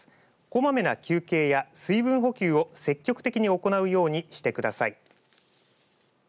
こまめな休憩や水分補給を積極的に行うようにしてください。